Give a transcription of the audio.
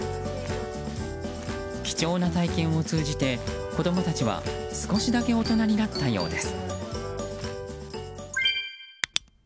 貴重な体験を通じて、子供たちは少しだけ大人になったようです。